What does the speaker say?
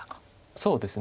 そうですね。